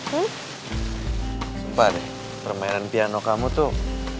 sempat deh permainan piano kamu tuh